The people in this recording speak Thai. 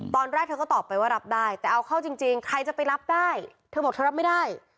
ตอนแรกเธอก็ตอบไปว่ารับได้แต่เอาเข้าจริงใครจะไปรับได้เธอบอกเธอรับไม่ได้